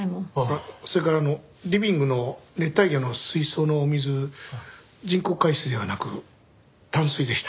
それからあのリビングの熱帯魚の水槽のお水人工海水ではなく淡水でした。